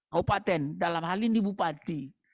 kaupaten dalam hal ini bupati